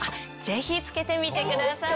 ぜひ着けてみてください。